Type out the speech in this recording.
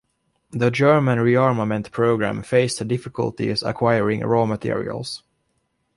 The German rearmament program faced difficulties acquiring raw materials.